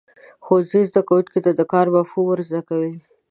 ښوونځی زده کوونکو ته د کار مفهوم ورزده کوي.